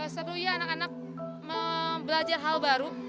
seru ya anak anak belajar hal baru